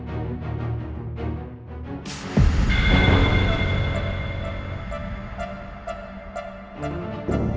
aku yang jalan biar benar k macem